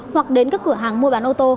hoặc đến các cửa hàng mua bán ô tô